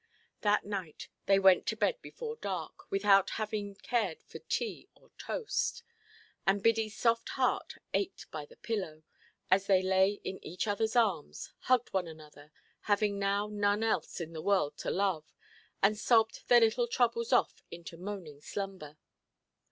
That night they went to bed before dark, without having cared for tea or toast, and Biddyʼs soft heart ached by the pillow, as they lay in each otherʼs arms, hugged one another, having now none else in the world to love, and sobbed their little troubles off into moaning slumber.